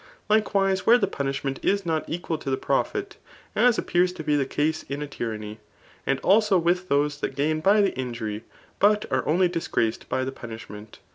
Likewise where the punishment » not equal to the profit, as appears te be the casein a tyranny. And also widt those that gain by the injury, but are only disgraced by the punishment.